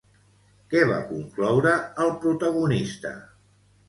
Què va concloure el protagonista?